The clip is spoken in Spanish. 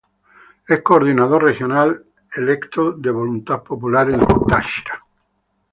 Es Coordinador Regional electo de Voluntad Popular en Táchira.